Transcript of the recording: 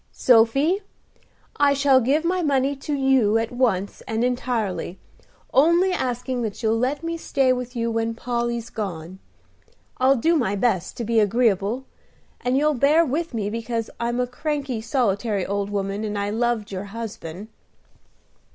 "Sophy, I shall give my money to you at once and entirely, only asking that you'll let me stay with you when Polly's gone. I'll do my best to be agreeable, and you'll bear with me because I'm a cranky, solitary old woman, and I loved your husband."